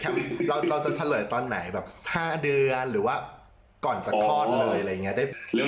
เราจะเฉลยตอนไหน๕เดือนหรือว่าก่อนจะทอดเลย